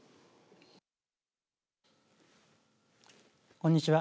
こんにちは。